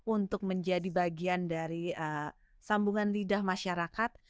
untuk menjadi bagian dari sambungan lidah masyarakat